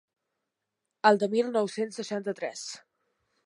El de mil nou-cents seixanta-tres.